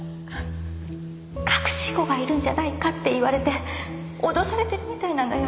隠し子がいるんじゃないかって言われて脅されてるみたいなのよ。